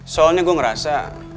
soalnya gue ngerasa